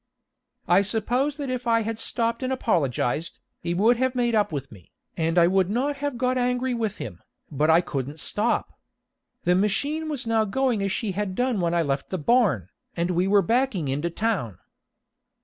I suppose that if I had stopped and apologized, he would have made up with me, and I would not have got angry with him, but I couldn't stop. The machine was now going as she had done when I left the barn, and we were backing into town.